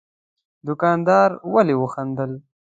دوکاندار ولي وخندل؟